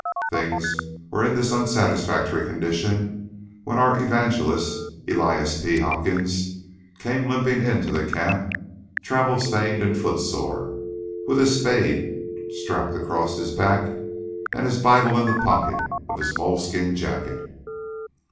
Things were in this unsatisfactory condition when our evangelist, Elias B. Hopkins, came limping into the camp, travel stained and footsore, with his spade strapped across his back, and his Bible in the pocket of his moleskin jacket.